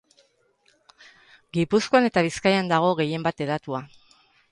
Gipuzkoan eta Bizkaian dago gehienbat hedatua.